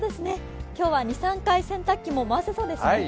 今日は２３回洗濯機も回せそうですね。